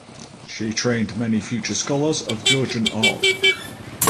She trained many future scholars of Georgian art.